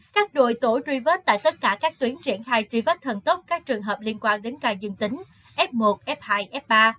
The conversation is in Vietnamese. các đội tổ tri vết tại tất cả các tuyến triển khai tri vết thần tốc các trường hợp liên quan đến cài dân tính f một f hai f ba